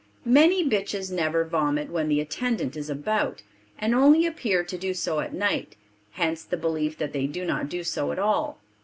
Many bitches never vomit when the attendant is about, and only appear to do so at night; hence the belief that they do not do so at all.